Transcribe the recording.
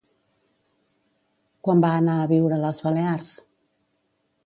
Quan va anar a viure a les Balears?